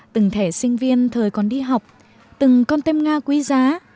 từng thẻ sinh viên thời còn đi học từng con têm nga quý giá